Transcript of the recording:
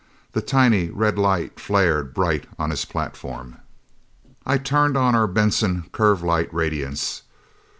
The tiny red light flared bright on his platform. I turned on our Benson curve light radiance.